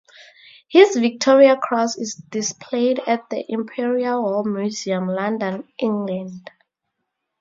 His Victoria Cross is displayed at the Imperial War Museum, London, England.